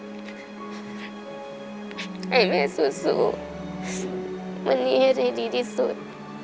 ให้แม่สู้วันนี้ให้ดีที่สุด